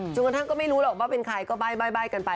กระทั่งก็ไม่รู้หรอกว่าเป็นใครก็ใบ้กันไป